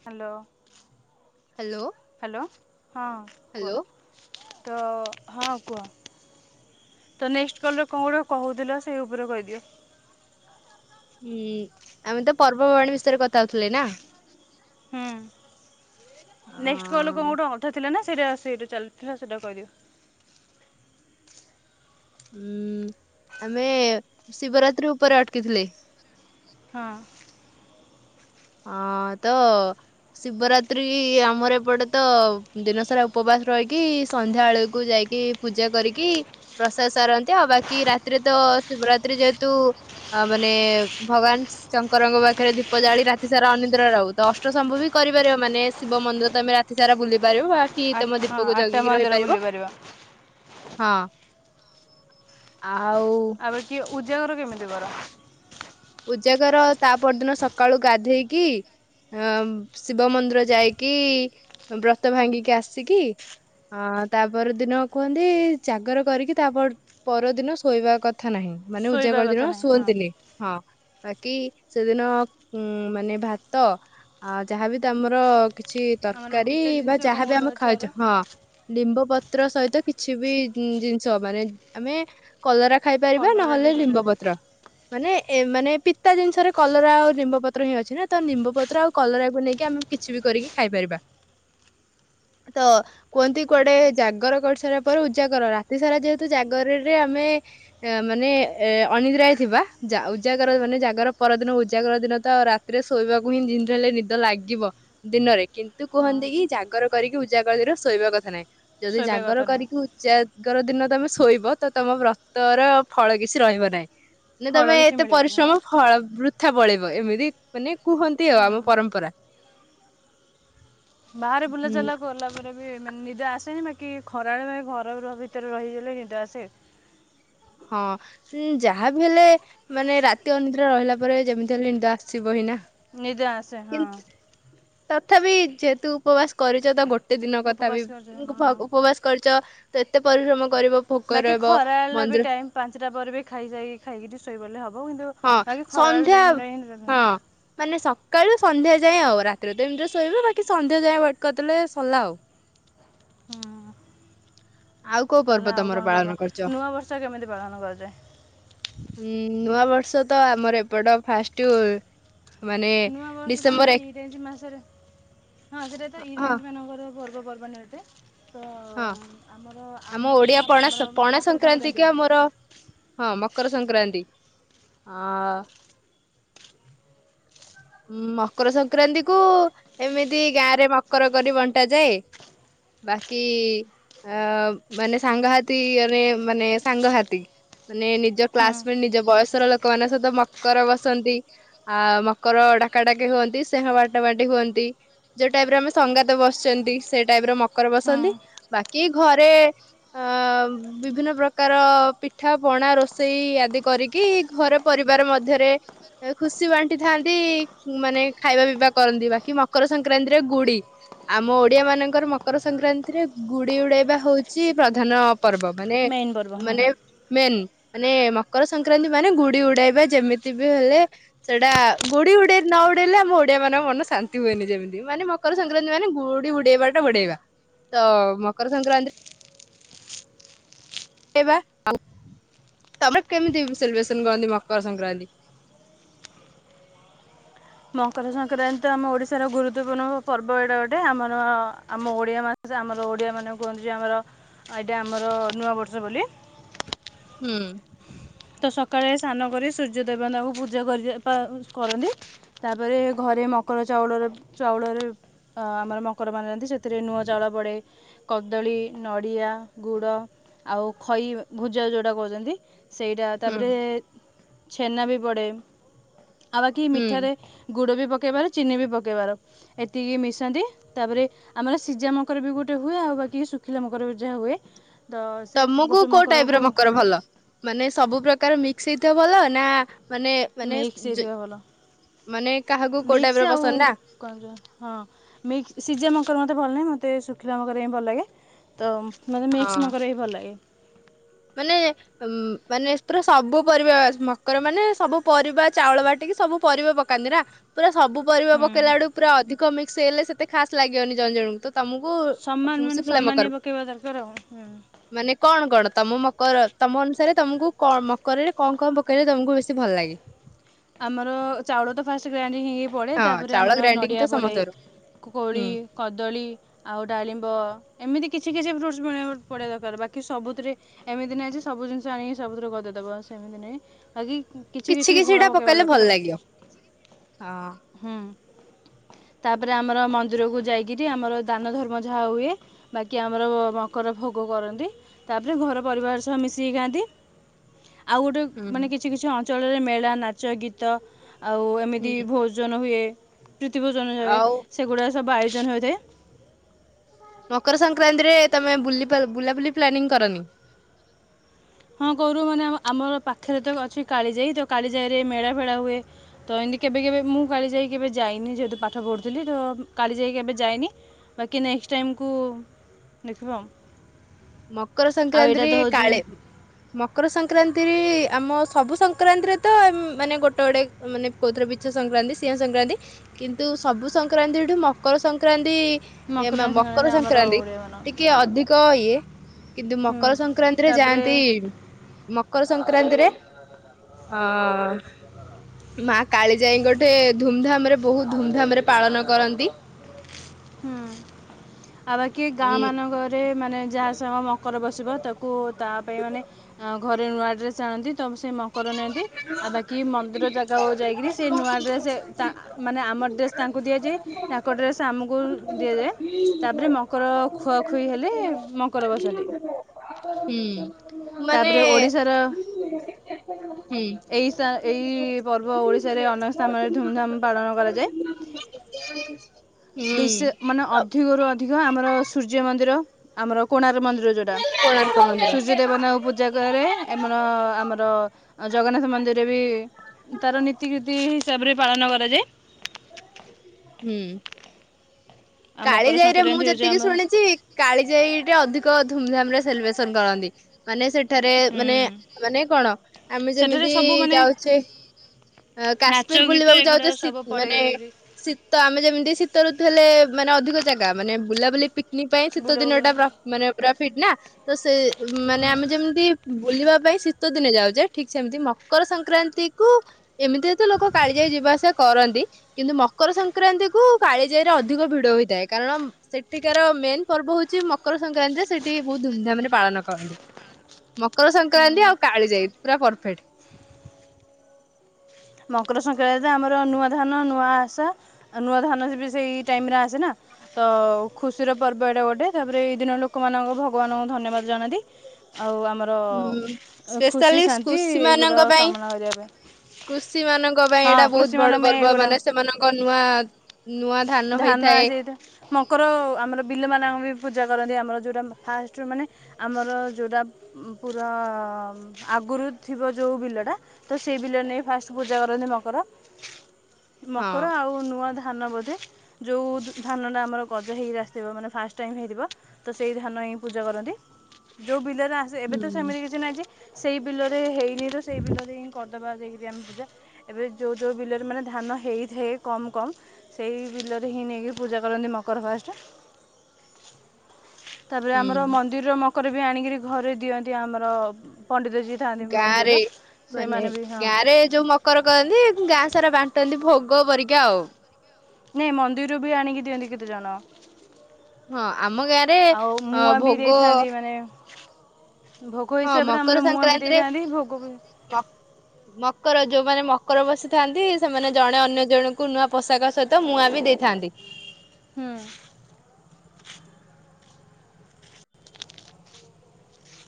Hello hello hello ହଁ କୁଅ। Hello ତ ହଁ କୁହ ତ ନେକ୍ସଟ କଲ୍ରେ କଣ ଗୋଟଏ କହୁଥିଲ ସେଇ ଉପରେ କହିଦିଅ। ହୁଁ ଆମେ ତ ପର୍ବପର୍ବାଣିୀ ବିଷୟରେ କଥା ହଉଥିଲେ ନା? ହଁ। ନେକ୍ସଟ କହ ଅଁ ଲୋକଣ ଗୋଟ ଅଧର ଥିଲେ ନା? ସେଇଟା ଆ ସେଇଟା ଚାଲ ସେଇଟା କହିଦିଅ। ହୁଁ ଆମେ ଶିବରାତ୍ରି ଉପରେ ଅଟକିଥିଲେ। ହଁ। ହଁ ତ ଶିବରାତ୍ରି ଆମର ଏପଟେ ତ ଦିନସାରା ଉପବାସ ରହିକି ସନ୍ଧ୍ୟା ବଳକୁ ଯାଇକି ପୂଜା କରିକି ପ୍ରସାଦ ସାରନ୍ତି ଆଉ ବାକି ରାତିରେ ତ ଶିବରାତି ଯେହେତୁ ମାନେ ଭଗବାନ ଶଙ୍କରଙ୍କ ପାଖରେ ଦୀପ ଜାଳି ରାତି ରାତି ସାରା ଅନିଦ୍ରା ରହୁ ତ ଅଷ୍ଟସମ୍ଭବ ବି କରିପାରିବ ମାନେ ଶିବ ମନ୍ଦିର ତ ଆମେ ରାତି ସାରା ବୁଲି ପାରିବ ବା କି ଆଠ ତମ ହଁ ଦୀପକୁ ଆଠଟା ଜଗିକି ମନ୍ଦିର ରହିପାରିବ ବୁଲି ପାରିବା। ହଁ ଆ ଆଉ ଉଜଯାଗର କେମିତି କର। ପୂଜାଗର ତା ପରଦିନ ସକାଳୁ ଗାଧେଇକି ଅ ଶିବ ମନ୍ଦିର ଯାଇକି ବ୍ରତ ଭାଙ୍ଗିକି ଆସିକି ଅ ତା ପର ଦିନ କୁହନ୍ତି ଜାଗର କରିକି ତାପ ପରଦିନ ଶୋଇବା କଥା। କ ନାହିଁ ମାନେ ଉଜା ଶୋଇବା କଥା କରିଦିନ ନାହିଁ ହଁ ଶୁଅନ୍ତିଥିଲି ହଁ ବାକି ସେଦିନ ଉ ମାନେ ଭାତ ଆ ଯାହାବ ତମର କିଛି ଆମର ତରକାରୀ ପିତା ବା ଜିନିଷ କଣ ଯାହାବ ଗୋଟେ ଆମେ ଅଛି ଆର ଖାଉଛେ ହଁ ଲିମ୍ବ ପତ ପତ୍ର ସହିତ କିଛି ବି ଜିନିଷ ମାନେ ଆମେ କଲରା ଖାଇପାରିବା କଲରା ବି ନହେଲେ କଥା ଲିମ୍ବ ନାହିଁ ପତ୍ର ମାନେ ଏ ମାନେ ପିତା ଜିନିଷରେ କଲରା ଆଉ ନିମ୍ବପତ୍ର ହିଁ ଅଛି ନା ତ ନିମ୍ବପତ୍ର ଆଉ କଲରାକୁ ନେଇକି ଆମେ କିଛି ବି କରିକି ଖାଇପାରିବା ତ କୁହନ୍ତି କୁଆଡେ ଜାଗର କରିସାରା ପରେ ଉଜାଗର ରାତି ସାରା ଯେହେତୁ ଜାଗରରେ ଆମେ ମାନେ ଅନିନ୍ଦ୍ରାଏ ଥିବା। ଉଜାଗର ମାନେ ଜାଗର ପରଦିନ ଉଜାଗର ଦିନ ତଉ ରାତିରେ ଶୋଇବାକୁ ହିଁିନ ହେଲେ ନିଦ ଲାଗିବ ଦିନରେ କିନ୍ତୁ ହଁ କୁହନ୍ତି କି ଜାଗର କରିକି ଉଜାଗର ଦିନ ଶୋଇବା କଥା ନାହିଁ। ଯଦି ଶୋଇବା କଥା ଜାଗର ନାହିଁ। କରିକି ଉ ଦିନ ତମେ ଶୋଇବ ତ ତମ ବ୍ରତର ଫଳ କିଛି ରହିବ ନାହିଁ। ନ ଫଳ ତମେ କିଛି ଏତେ ମିଳିବନି ହଁ ପରିଶ୍ରମ ଫଳ ବୃଥା ପଳେଇବ। ଏମିତି ମାନେ କୁହନ୍ତି ଆ ଆମ ହୁଁ। ପରମ୍ପରା। ବାହାରେ ବୁଲା ହୁଁ। ଚାଲା କଲା ବେ ରେ ବି ମାନେ ନିଦ ଆସେନି ବାକି ଖରାରେ ଭାଇ ଘର ଭିତରେ ରହିଗଲେ ନିଦ ଆସେ। ହଁ ଉଁ, ଯାହାବି ହେଲେ ନିଦେ ଆସେ ହଁ। କିନ୍ତୁ ତଥାପି ଯେହେତୁ ଉପବାସ କରିୁଚ ତ ଗୋ କେତେ ଦିନ କଥା ବି ଉପବାସ କରିଛ ଉଁ, ହଁ ପ-ଉପବାସ କରି ତ ତ ଏତେ ପରିଶ୍ରମ କରିବ ଭୋକ ବାକି ରହିବ ଖରା ଆଇଲା ବି ମନ୍ଦିର ଟାଇ ପାଞ୍ଚଟା ପରେ ବି ଖାଇସାରି ଖାଇକିରି ଶୋଇପଡିଲେ ହବ କିନ୍ତୁ ହଁ ବାକି ଖରାବେଳ ସନ୍ଧ୍ୟା ଟାଇମ୍ଟା ହିଁ ହୁଁ। ହଁ ମାନେ ସ କାଲି ସନ୍ଧ୍ୟା ଯାଏଁ, ଆଉ ରାତିରେ ତ ଏମିତି ଶୋଇବୁ ବାକି ସନ୍ଧ୍ୟା ଯାଏଁ ୱେଟ କରିଦେଲେ ସଲା ଆଉ। ହୁଁ। ଆଉ କୋଉ ପର୍ବ ତାହେଲେ ଆଉ ତମର କଣ ପାଳନ ପର୍ବ? କରିଛ? ନୂଆବର୍ଷ କେମିତି ପାଳନ କରାଯାଏ? ସେ ତ ଆମର ଏପଟ ଫାଷ୍ଟୁ ନୂଆ ବର୍ଷ ତ ଆମର ଇରେଞ୍ଜ ମାସରେ ହଁ ସେଟା ତ ହଁ ଇରେଞ୍ଜ ମାନଙ୍କର ପର୍ବ। ପର୍ବ ନା ଏବେ। ହଁ ଆମ ଓଡିଆ ଯାହା ପଣା ଆମର ସ-ପଣା ମକର ସଂକ୍ରାନ୍ତି କି ହଉ ଆମର ହଁ ମକର ସଂକ୍ରାନ୍ତି। ଓ ଉଁ, ମକର ସଂକ୍ରାନ୍ତି କୁ ଏମିତି ଗାଁରେ ମକର କରି ବଣ୍ଟାାଯାଏ, ବାକି ଅ, ମାନେ ସାଙ୍ଗ ହାତୀ ଇଏରେ ମାନେ ସାଙ୍ଗ ହାତୀ ମାନେ ନିଜ ହଁ କ୍ଲାସମେଟ ନିଜ ବୟସର ଲୋକ ମାନଙ୍କ ସହିତ ମକର ବସନ୍ତି ଆ, ମ କର ଡାକା ଡାକି ହୁଅନ୍ତି, ସ୍ନେହ ବାଟା ବାଣ୍ଟି ହୁଅନ୍ତି, ଯୋଉ ଟାଇପ୍ ର ଆମେ ସଙ୍ଗାତ ବସୁଚନ୍ତି, ସେ ଟାଇପ୍ ର ମକର ବସନ୍ତି, ହଁ ବାକି ଘରେ ଅ, ବିଭିନ୍ନ ପ୍ରକାର ପିଠା ପଣା ରୋଷେଇ ଆଦି କରିକି ଘରେ ପରିବାର ମଧ୍ୟରେ ଏ ଖୁସି ବାଣ୍ଟି ଥାନ୍ତି ମାନେ ଖାଇବା ପିଇବା କରନ୍ତି, ବାକି ମକର ସଂକ୍ରାନ୍ତିରେ ଗୁଡି ଆମ ଓଡିଆ ମାନଙ୍କର ମକର ସଂକ୍ରାନ୍ତିରେ ଗୁଡି ଉଡେଇବା ହଉଚି ପ୍ରଧାନ ପର୍ବ ମାନେ ମେନ୍ ପର୍ବ ହଁ। ମାନେ ମେନ୍ ମାନେ ମକର ସଂକ୍ରାନ୍ତି ମାନେ ଗୁଡି ଉଡେଇବା ଯେମିତି ବି ହେଲେ ସେଟା ଗୁଡି ଉଡେଇ ନ ଉଡେଇଲେ ଆମ ଓଡିଆ ମାନଙ୍କ ମନ ଶାନ୍ତି ହୁଏନି ଯେମିତି, ମାନେ ମକର ସଂକ୍ରାନ୍ତି ମାନେ ଗୁଡି ଉଡେଇବାଟା ଉଡେଇବା ତ ମକର ସଂକ୍ରାନ୍ତି [inaudible] ବା [inaudible] ତୋମେ କେମିତି ସେଲିବ୍ରେସନ କରନ୍ତି ମକର ସଂକ୍ରାନ୍ତ? ମକର ସଂକ୍ରାନ୍ତି ତ ଆମ ଓଡ଼ିଶାର ଗୁରୁତ୍ୱପୂର୍ଣ୍ଣ ପର୍ବ ଏଇଟା ଗୋଟେ, ଆମର ଆମ ଓଡ଼ିଆ ମାସ ଆମର ଓଡ଼ିଆ ମାନେ କୁହନ୍ତି ଯେ ଆମର ଏଇଟା ଆମର ନୂଆବର୍ଷ ବୋଲି। ହୁଁ। ତ ସକାଳେ ସ୍ନାନ କରି ସୂର୍ଯ୍ୟ ଦେବତାଙ୍କୁ ପୂଜା କରି ପା-କରନ୍ତି, ତାପରେ ଘରେ ମକର ଚାଉଳର ଚାଉଳରେ ଅ, ଆମର ମକର ମାନାନ୍ତି, ସେଥିରେ ନୂଆ ଚାଉଳ ପଡ଼େ କଦଳୀ ନଡ଼ିଆ ଗୁଡ଼ ଆଉ ଖଇ ଭୁଜା ଯୋଉଟା କହୁଚନ୍ତି। ସେଇଟା ହୁଁ ତାପରେ ଛେନା ବି ପଡ଼େ। ଆଉ ବାକି ହୁଁ ମିଠାାରେ ଗୁଡ ବି ପକ କେବାର ଚିନି ବି ପକେଇବାର ଏତିକି ମିଶାନ୍ତି, ତାପରେ ଆମର ସିଜା ମକର ବି ଗୋଟେ ହୁଏ, ଆଉ ବାକି ଶୁଖିଲା ମକର ଉଝା ହୁଏ। ତ ସେ ତୋମକୁ ଗୋଟେ କୋଉ ଟାଇପ୍ ମକରକୁ ର ମକର ଭଲ? ମାନେ ସବୁ ପ୍ରକାର ମିକ୍ସ ହେଇଥିବ ଭଲ, ନା ମାନେ ମାନେ ମିକ୍ସ ହେଇଥିବା ଭଲ ମାନେ କାହାକୁ କୋଉ ଟାଇପ ର ମିକ୍ସ ଆଉ ପସନ୍ଦ ନା କଣ ଯୋ, ହଁ ମିକ୍ସ ସିଜା ମଙ୍କର ମୋତେ ଭଲ ନାହିଁ, ମତ ତେ ଶୁଖିଲା ମକର ହିଁ ଭଲ ଲାଗେ ତ ମୋତେ ହଁ ମିକ୍ସ ମକର ହିଁ ଭଲ ଲାଗେ। ମାନେ ଉ ମାନେ ପୁରା ସବୁ ପରିବା ମକର ମାନେ ସବୁ ପରିବା ଚାଉଳ ବାଟିକି ସବୁ ପରିବା ପକାନ୍ତି ନା ପୁରା ସବୁ ପରିବା ହୁଁ ପକାଇେଇା ବଡୁ ପୁରା ଅଧିକ ମି ସେ ହେଲେ ସେତେ ଖାସ ଲାଗିବନି ଜଣ ଜଣ। ତ ତମକୁ ସମାନ ମାନେ ଶଖିଲ ସମାନିଆ ମକାର ପକାଇବା ଦରକାର ଆଉ ହୁଁ। ମାନେ କଣ କଣ? ତମ ମକର ତମ ଅନୁସାରେ ତମକୁ ମକରରେ କଣ କଣ ପକେଇଲେ ତମକୁ ବେଶୀ ଭଲ ଲାଗେ। ଆମର ଚାଉଳ ତ ଫାଷ୍ଟ ଗ୍ରାଇଣ୍ଡ ହେଇକି ପଡ଼େ ହଁ ତାପରେ ଚାଉଳ ଆମର ଗ୍ରାଇଣ୍ଡିଙ୍ଗ ନଡ଼ିଆ ତ ପଡ଼େ ସମସ୍ତଙ୍କର କୋଳି ହୁଁ କଦଳୀ ଆଉ ଡାଳିମ୍ବ ଏମିତି କିଛି କିଛି ଫ୍ରୁଟ ପଡିବା ଦରକାର ବାକି ସବୁଥିରେ ଏମିତି ନାହିଁ ସବୁ ଜିନିଷ ଆଣିକି ସବୁଥିରେ ଗଦେଇଦବ ସେମିତି ନାଇଁ। ଆ କି କିଛି କିଛି ଭଳ କହଲେ ଭଲ ଲାଗିବ ହଁ। ହୁଁ ତାପରେ ଆମର ମନ୍ଦିରକୁ ଯାଇକରି ଆମର ଦାନ ଧର୍ମ ଯାହା ହୁଏ ବାକି ଆମର ମକର ଭୋଗ କରନ୍ତି ତାପରେ ଘର ପରିବାର ସହ ମିଶିିଥାନ୍ତି। ଆଉ ଗୋଟେ ହୁଁ ମାନେ କିଛି କିଛି ଅ ଞ୍ଚଳରେ ମେଳା ନା ଚ ଗୀତ ଆଉ ଏମିତି ହୁଁ ଭୋଜନ ହୁଏ [unintelligible] ରୀତି ଭୋଜନ ଯାଏ ଆଉ ସେଗୁଡ଼ା ସବୁ ଆୟୋ ଜନ୍ ହୋଇଥାଏ ମକର ସଂକ୍ରାନ୍ତିରେ ତମେ ବୁଲି ପା ବୁଲାବୁଲି ପ୍ଲାନିଂ କରନି। ହଁ କରୁ ମାନେ ଆମର ପାଖରେ ତ ଅଛି କାଳିଜାଇ ତ କାଳିଜାଇରେ ମେଳା ଫେଳା ହୁଏ ତ ଏମିତି କେବେ କେବେ ମୁଁ କାଳି ଯାଇକ କେବେ ଯାଇନି ଯେହେତୁ ପାଠ ପଢ଼ୁଥିଲି ତ କାଳିଜାଇ କେବେ ଯାଇନି ବାକି ନେକ୍ସଟ ଟାଇମକୁ ଦେଖିବା ଆଉ। ମକର ଆଉ ଏଇଟା ସଂକ୍ରାନ୍ତିରେ ତ ହେଉଛି କାଳେ ମକର ସଂକ୍ରାନ୍ତିରେ ଆମ ସବୁ ସଂକ୍ରାନ୍ତିରେ ତ ମାନେ ଗୋଟେ ଗୋଟେ ମାନେ କହୁଥିଲେ ବିଛା ସଂକ୍ରାନ୍ତି, ସିଂହ ସଂକ୍ରାନ୍ତି କିନ୍ତୁ ସବୁ ସଂକ୍ରାନ୍ତିଠୁ ମକର ସଂକ୍ରାନ୍ତି ଏ ମକର ସଂକ୍ରାନ୍ତି ଟିକେ ଅଧିକ ଇଏ କିନ୍ତୁ ହୁଁ ମକର ସଂକ୍ରାନ୍ତିରେ ତା'ପରେ ଯାଆନ୍ତି ମକର ସଂକ୍ରାନ୍ତିରେ ହଁ ମା କାଳିଜାଇ ଗୋଟେ ଧୁମଧାମ ରେ ବହୁତ ଧୁମଧାମ ରେ ପାଳନ କରନ୍ତି। ହୁଁ ଆ ବାକି ଗାଁ ମାନଙ୍କରେ ମାନେ ଯାହା ସହ ମକର ବସିବ ତାକୁ [unintelligible] ତା ପାଇଁ ମାନେ ଅଁ ଘରେ ନୂଆ ଡ୍ରେସ୍ ଆଣନ୍ତି ତ ସେ ମ କର ନିଅନ୍ତି ଆଉ ବାକି ମନ୍ଦିର ଜାଗା ଯାଇକିରି ସେ ନୂଆ ଡ୍ରେସ ମାନେ ଆମ ଡ୍ରେସ୍ ତାଙ୍କୁ ଦିଆଯାଏ ତାଙ୍କ ଡ୍ରେସ୍ ଆମକୁ ଦିଆଯାଏ ହୁଁ ତାପରେ ମକର ଖୁଆଖୁଇ ହେଲେ ମକର ବସନ୍ତି। ମାନେ ତାପରେ ଓଡ଼ିଶାର ହୁଁ ହୁଁ ଏଇସ ଏହି ପର୍ବ ଓଡ଼ିଶାରେ ଅନେକ ସ୍ଥାନରେ ଧୁମ୍ ଧାମ ପାଳନ କରାଯାଏ ବିଶେ ମାନେ ଅ ଅଧିକରୁ ଅଧିକ ଆମର ସୂର୍ଯ୍ୟ ମନ୍ଦିର ଆମର କୋଣାର୍ ମନ୍ଦିର କୋଣାର୍କ [unintelligible] ମନ୍ଦିର। ସୂର୍ଯ୍ୟ ଦେବତାକୁ ପୂଜା କରେ ଆମର ଆମର ଆଉ ଜଗନ୍ନାଥ ମନ୍ଦିରରେ ବି ତାର ନୀତିକୀତି ହିସାବରେ ପାଳନ କରାଯାଏ। ହୁଁ ଆଉ ମକର କାଳିଜାଇ ରେ ମୁଁ ସଂକ୍ରାନ୍ତି ହେଉଛି ଯେତିକି ଆମ ଶୁଣିଛି କାଳିଜାଇରେ ଅଧିକ ଧୁମଧାମରେ ସେଲିବ୍ରେସନ୍ କରନ୍ତି। ମାନେ ସେଠାରେ ମାନେ ହୁଁ ମାନେ କଣ ଆମେ ସେଠାରେ ଯେମିତି ସବୁ ମାନେ ଯାଉଛେ ଏ ନାଚ କାଶ୍ମୀର ଗୀତ ବୁଲିବାକୁ ଏଗୁଡ଼ାକ ଯାଉଛେ ସବୁ ମାନେ ପଳେଇ ଶୀତ ଆମେ ଯେମିତି ଶୀତରୁତୁ ହେଲେ ମାନେ ଅଧିକ ଜାଗା ମାନେ ବୁଲାବୁଲି। ପିକନିକ୍ ପାଇଁ ଶୀତ ବୁଲ ଦିନଟା ପୁରା ହୁଁ ମାନେ। ଫିଟ ନା ତ ସେ। ମାନେ ଆମେ ଯେମିତି ବୁଲିବା ପାଇଁ ଶୀତ ଦିନେ ଯାଉଛେ। ଠିକ ସେମିତି ମକର ସଂକ୍ରାନ୍ତି କୁ ଏମିତି ତର ଲୋକ କାଳିଜାଇ ଯିବା ଆସିବା କରନ୍ତି। କିନ୍ତୁ ମକର ସଂକ୍ରାନ୍ତି କୁ କାଳିଜାଇର ଅ ଅଧିକ ଭିଡ ହୋଇଥାଏ କାରଣ ସେଠିକାର ମେନ୍ ପର୍ବ ହଉଚି ମକର ସଂକ୍ରାନ୍ତିରେ ସେଠି ବହୁତ ଧୁମଧାମରେ ପାଳନ କରନ୍ତି। ମକର ସଂକ୍ରାନ୍ତି ହୁଁ ଆଉ କାଳି ଜାଇ। ପୁରା ପରଫେକ୍ଟ। ମକର ସଂକ୍ରାନ୍ତିରେ ଆମର ନୂଆ ଧାନ ନୂଆ ଆଶା ନୂଆ ଧାନ ବି ସେଇ ଟାଇମରେ ଆସେନା ତ ଖୁସିର ପର୍ବ ଏଇଟା ଗୋଟେ ତାପରେ ଏଇ ଦିନ ଲୋକମାନେ ଭଗବାନଙ୍କୁ ଧନ୍ୟବାଦ ଜଣାନ୍ତି। ଆଉ ଆମର ହୁଁ ଖୁସି ସ୍ପେଶାଲି ଶାନ୍ତି କୃଷି ଏଗୁଡ଼ା କାମନା କରିବା ପାଇଁ। ସେମାନଙ୍କ ପାଇଁ ହଁ ଏଇଟା ବହୁତ କୃଷିମାନେ ବଡ ଆମେ ପର୍ବ। ଏଗୁଡ଼ା ମାନେ ସେମାନଙ୍କ ନୂଆ ନୂଆ ଧାନ ଆ ହୋଇଥାଏ ସେତ ମକର ଆମର ବିଲ ମାନଙ୍କ ବି ପୂଜା କରନ୍ତି ଆମର ଯୋଉଟା ଫାଷ୍ଟ ମାନେ ଆମର ଯୋଉଟା ପୁରା ଆଗରୁ ଥିବ। ଯେଉଁ ବିଲଟା ତ ସେଇ ବିଲ ନେଇ ଫାଷ୍ଟ ପୂଜା କରନ୍ତି ମକର। ହଁ। ମକର ଆଉ ନୂଆ ଧା ଧାନବ ଯୋଉ ଧାନଟା ଆମର ଗଜା ହେଇକି ଆସିଥିବ ମାନେ ଫାଷ୍ଟ ଟାଇମ ହେଇଥିବ ତ ସେଇ ଧାନ ହିଁ ପୂଜା କରନ୍ତି ଯୋଉ ବିଲରେ ଆସେ ଏବେ ତ ହୁଁ। ସେମିତି କିଛି ନାହିଁ ଯେ ସେଇ ବିଲରେ ହେଇନି ତ ସେଇ ବିଲରେ ହିଁ କରିଦବା। ଯାଇକରି ଆମେ ପୂଜା ଏବେ ଯୋଉ ଯୋଉ ବିଲରେ ମାନେ ଧାନ ହେଇଥାଏ କମ୍ କମ୍। ସେଇ ବିଲରେ ହିଁ ନେଇକି ପୂଜା କରନ୍ତି ମକର ଫାଷ୍ଟ। ତାପରେ ଆମର ହୁଁ ମନ୍ଦିର ମ କକର ବି ଆଣିକରି ଘରେ ଦିଅନ୍ତି ଆମର। ପଣ୍ଡିତ ଯିଏ ଥାଆନ୍ତି ଗାଁ ମନ୍ଦିରର ରେ ମାନେ ସେମାନେ ବି ହଁ ଗାଁ ରେ ଯୋଉ ମକର କରନ୍ତି ଗାଁ ସାରା ବାଣ୍ଟନ୍ତି ଭୋଗ କରିକି। ଯାଉ। ନାଇଁ ମନ୍ଦିରରୁ ବି ଆଣିକି ଦିଅନ୍ତି କେତେଜଣ। ହଁ ଆମ ଗାଁରେ ଆଉ ଅ ମୁଆଁ ବି ଭୋଗ। ଦେଇଥାନ୍ତି ମାନେ ଭୋଗ ହଁ ହିସାବରେ ଆମର ମକର ମୁଆଁ ବି ସଂକ୍ରାନ୍ତିରେ ଦେଇଥାନ୍ତି ଭୋଗ ବି ମକ ମକର ଯୋଉମାନେ ମ ମକର ବସିଥାନ୍ତି। ସେମାନେ ଜଣେ ଅନ୍ୟ ଜଣଙ୍କୁ ନୂଆ ପୋଷାକ ସହିତ ମୁୂଆଁ ବି ଦେଇଥାନ୍ତି। ହୁଁ।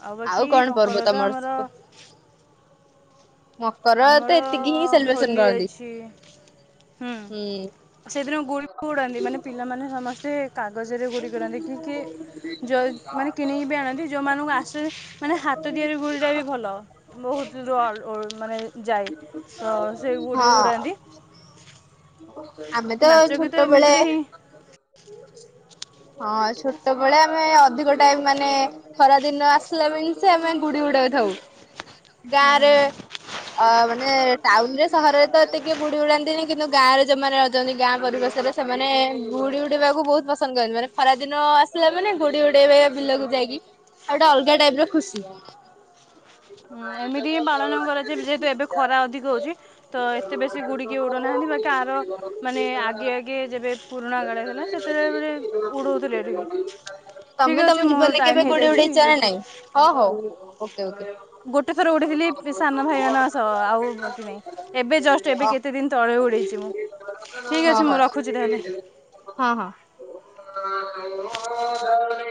ଆଉ ବାକି କଣ ପର୍ବ ମକର ତ ତମର ଆମର। ମକର ତ ଆମର ଏତିକି ହିଁ ସେଲିବ୍ରେସନ ହୋଲି କରନ୍ତି। ଅଛି ହୁଁ ସେଦିନ ଗୁଡିବି ଉଡ଼ାନ୍ତି ମାନେ ପିଲାମାନେ ସମସ୍ତେ। କାଗଜରେ ଗୁଡ଼ି କରନ୍ତି। କିଏକି କିଉ ମାନେ କିଣିକି ବି ଆଣନ୍ତି। ଯୋଉମାନଙ୍କୁ ଆସୁନି ମାନେ ହାତ ଦିଆରି ଗୁଡ଼ିଟା ବି ଭଲ ବହୁତ୍ ରବ ମାନେ। ଯାାଇ ତ ସେ ଗୁଡ଼ି ଉଡ଼ାନ୍ତି। ହଁ। ଆମେ ତ ନାଚ ଗୀତ ଛୋଟବେେଳେ ଏମିତିରେ ହିଁ ହଁ। ଛୋଟବେଳେ ଆମେ ଅଧିକ ଟାଇମ ମାନେ ଖରା ଦିନଆସିଲା ବି ସେ ଆମେ ଗୁଡି ଉୁଡ ଥାଉ। ଗାଁ ରେ ହୁଁ। ଆ ମାନେ ଟାଉନରେ। ସହରରେ ତ ଏତକି ବୁଡି ଉଡାନ୍ତିନି କିନ୍ତୁ। ଗାଁ ରେ ଯୋଉମାନେ ରହୁଛନ୍ତି ଗାଁ ପରିବେଶରେ ସେମାନେ ଗୁଡି ଉଡେଇବାକୁ ବହୁତ ପସନ୍ଦ କରନ୍ତି ମାନେ ଖରା ଦିନ ଆସିଲା ମାନେ ଘୁଡି ଉଡେଇବା ବିଲକୁ ଯାଇକି ଆଉ ଗୋଟେ ଅଲଗା ଟାଇପ ର ଖୁସି। ହୁଁ ଏମିତି ହିଁ ପାଳନ କରାଯ ଯେହେତୁ ଏବେ ଖରା ଅଧିକ ହଉଛି ତ ଏତେ ବେଶୀ ଗୁଡି କେହି ଉଡନାହାନ୍ତି ବାକି। ଆର ମାନେ ଆଗେ ଆଗେ ଯେବେ ପୁରୁଣା କାଳେ ଥିଲା ସେତେବେଳେ ଉଡଉଥିଲେ ଏଠିକି। ଠିକ୍ ତମେ ଅଛି ତମ ମୋର ଜୀବନରେ ଟାଇମ୍ କେବେ ଗୁଡ ହେଇଯାଇଛି ଉଡେଇଚ ନାହିଁ ରଖୁଛି। ହଁ ହଉ ଓକେ ଓକେ। ଗୋଟେ ଥର ଉଠିଥିଲି ସାନ ଭାଇ ମାନ ଆଉ କି ନାହିଁ ଏବେ ଜଷ୍ଟ ଏବେ କେତେ ଦିନ ତଳେ ଉଡେଇଛି ମୁଁ ଠିକ୍ ହଁ ଅଛି ମୁଁ ହଁ ରଖୁଛି ତାହେଲେ। ହଁ ହଁ। [unintelligible]